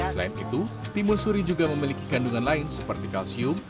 selain itu timun suri juga memiliki kandungan lain seperti kalsium